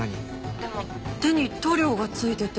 でも手に塗料が付いてて。